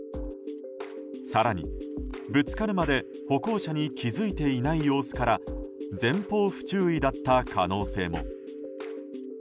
更にぶつかるまで歩行者に気づいていない様子から前方不注意だった可能性も。